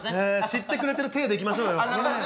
知ってくれてる体でいきましょうよねえ